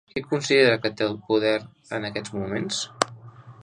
Qui considera que té el poder en aquests moments?